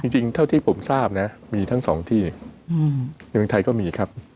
จริงเท่าที่ผมทราบนะมีทั้งสองที่ในเมืองไทยก็มีครับ